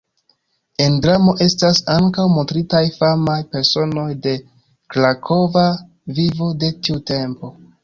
En dramo estas ankaŭ montritaj famaj personoj de krakova vivo de tiu tempo.